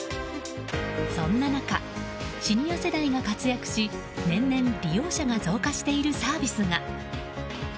そんな中、シニア世代が活躍し年々、利用者が増加しているサービスが。